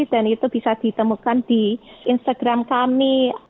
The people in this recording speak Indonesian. dan itu bisa ditemukan di instagram kami